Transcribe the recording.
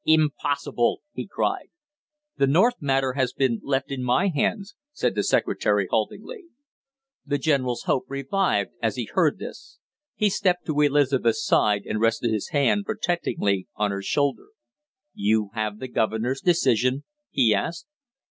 "Impossible!" he cried. "The North matter has been left in my hands," said the secretary haltingly. The general's hope revived as he heard this. He stepped to Elizabeth's side and rested his hand protectingly on her shoulder. "You have the governor's decision?" he asked.